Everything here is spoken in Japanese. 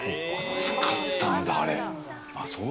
熱かったんだ、あれ。